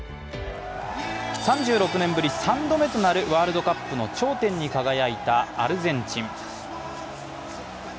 ３６年ぶり３度目となるワールドカップの頂点に輝いたアルゼンチン。